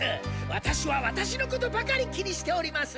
ワタシはワタシのことばかり気にしております。